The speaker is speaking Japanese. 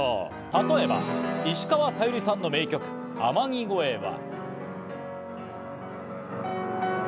例えば石川さゆりさんの名曲『天城越え』は。